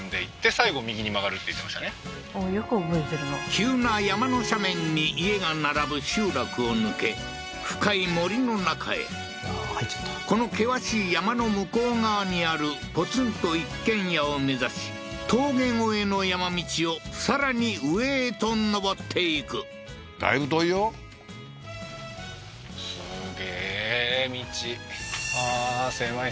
急な山の斜面に家が並ぶ集落を抜け深い森の中へこの険しい山の向こう側にあるポツンと一軒家を目指し峠越えの山道をさらに上へと上っていくだいぶ遠いよ怖っ